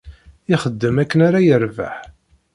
Ixdem akken ara yerbeḥ.